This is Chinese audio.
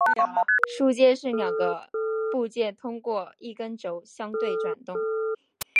枢接是两个部件通过一根轴相对转动。